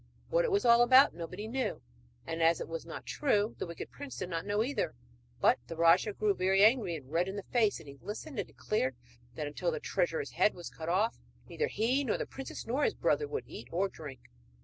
What it was all about nobody knew, and, as it was not true, the wicked prince did not know either; but the rajah grew very angry and red in the face as he listened, and declared that until the treasurer's head was cut off neither he nor the princess nor his brother would eat or drink.